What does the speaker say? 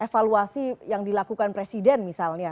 evaluasi yang dilakukan presiden misalnya